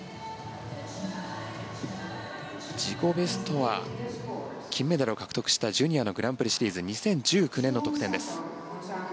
自己ベストは金メダルを獲得したジュニアのグランプリシリーズ２０１９年の得点です。